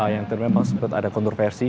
yang tadi memang sempat ada kontroversi